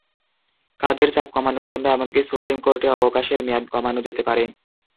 কাজের চাপ কমানোর জন্য এমনকি সুপ্রিম কোর্টে অবকাশের মেয়াদ কমানো যেতে পারে।